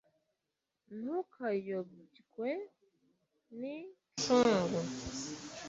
ntukayobywe n incungu